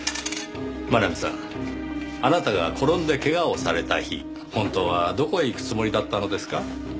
真奈美さんあなたが転んで怪我をされた日本当はどこへ行くつもりだったのですか？